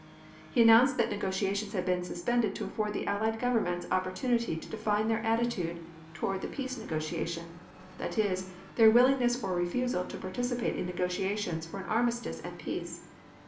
He announced that negotiations had been suspended to afford the Allied Governments opportunity to define their attitude toward the peace negotiation; that is, their willingness or refusal to participate in negotiations for an armistice and peace.